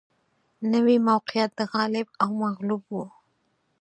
نوي موقعیت د غالب او مغلوب و